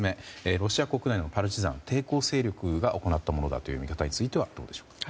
ロシア国内のパルチザン抵抗勢力が行ったものだという見方についてはどうでしょうか？